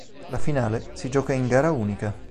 La finale si gioca in gara unica.